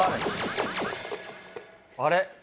あれ？